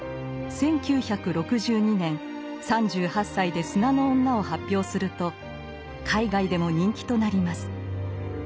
１９６２年３８歳で「砂の女」を発表すると海外でも人気となります。